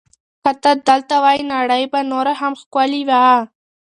که ته دلته وای، نړۍ به نوره هم ښکلې وه.